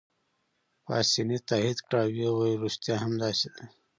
پاسیني تایید کړه او ویې ویل: ریښتیا هم داسې ده.